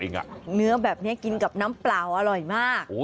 เนื้อแบบนี้กินกับน้ำเปล่าอร่อยมาก